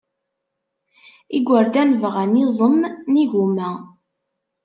Igerdan bɣan iẓem n yigumma.